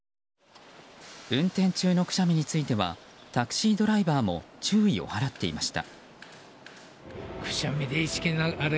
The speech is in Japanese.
運転中のくしゃみについてはタクシードライバーも注意を払っていました。